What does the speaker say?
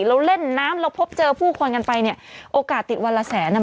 เราเล่นน้ำเราพบเจอผู้คนกันไปเนี่ยโอกาสติดวันละแสนอ่ะ